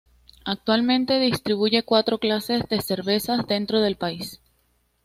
Actualmente distribuye cuatro clases de cerveza dentro del país.